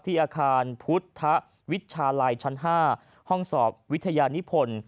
อาคารพุทธวิชาลัยชั้น๕ห้องสอบวิทยานิพล